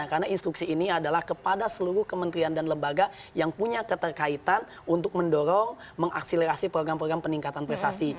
karena instruksi ini adalah kepada seluruh kementerian dan lembaga yang punya keterkaitan untuk mendorong mengaksilerasi program program peningkatan prestasi